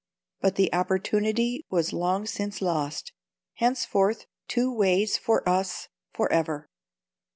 But the opportunity was long since lost. Henceforth, two ways for us for ever!